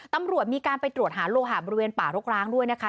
ตำรวจมีการไปตรวจหาโลหะบริเวณป่ารกร้างด้วยนะคะ